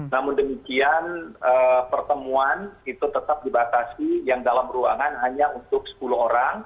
namun demikian pertemuan itu tetap dibatasi yang dalam ruangan hanya untuk sepuluh orang